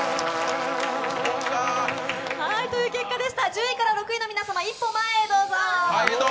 １０位から６位の皆様、一歩前へどうぞ。